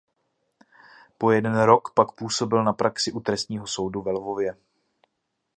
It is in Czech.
Po jeden rok pak působil na praxi u trestního soudu ve Lvově.